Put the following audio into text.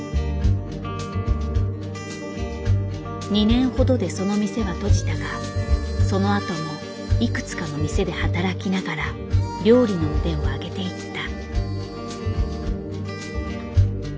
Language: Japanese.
２年ほどでその店は閉じたがそのあともいくつかの店で働きながら料理の腕を上げていった。